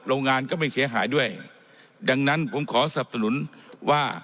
โรงงานก็ไม่เสียหายด้วยดังนั้นผมขอสับสนุนว่า